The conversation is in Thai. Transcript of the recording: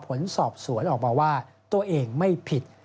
ผลสอบสวนออกมาว่าตัวเองไม่ผิด